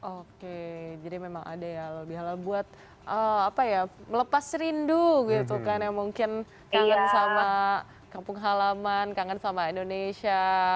oke jadi memang ada ya bihalal buat apa ya melepas rindu gitu kan yang mungkin kangen sama kampung halaman kangen sama indonesia